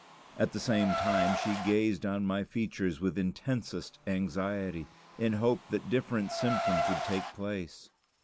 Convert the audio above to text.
At the same time she gazed on my features with intensest anxiety, in hope that different symptoms would take place.